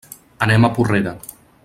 Anem a Porrera.